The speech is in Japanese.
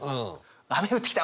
雨降ってきた！